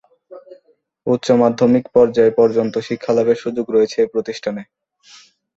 উচ্চ মাধ্যমিক পর্যায় পর্যন্ত শিক্ষালাভের সুযোগ রয়েছে এ প্রতিষ্ঠানে।